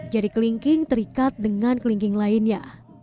jadi kelingking terikat dengan kelingking lainnya